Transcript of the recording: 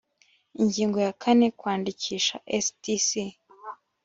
ingingo ya kane kwandikisha sdc